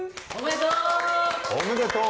おめでとう